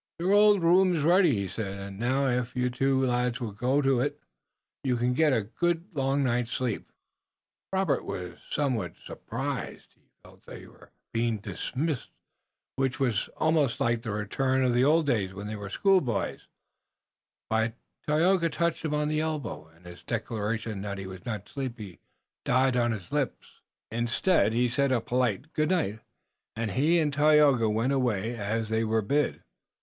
"Your old room iss ready," he said, "und now, if you two lads will go to it, you can get a good und long night's sleep." Robert was somewhat surprised. He felt that they were being dismissed, which was almost like the return of the old days when they were schoolboys, but Tayoga touched him on the elbow, and his declaration that he was not sleepy died on his lips. Instead, he said a polite good night and he and Tayoga went away as they were bid.